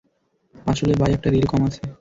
আসলে, বাই একটা রিল কম আছে।